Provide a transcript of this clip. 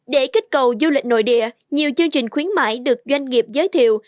để kích cầu du lịch nội địa nhiều chương trình khuyến mại được doanh nghiệp giới thiệu